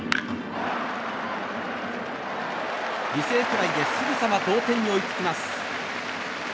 犠牲フライですぐさま同点に追いつきます。